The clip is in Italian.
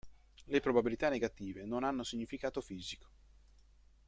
Le probabilità negative non hanno significato fisico.